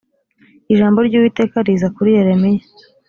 ijambo ry’uwiteka riza kuri yeremiya.